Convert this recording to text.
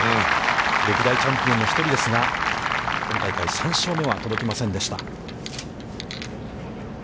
歴代チャンピオンの一人ですが、今大会３勝目は届きませんでした。